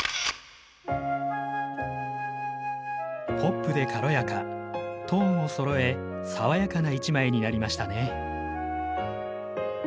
ポップで軽やかトーンをそろえ爽やかな一枚になりましたね。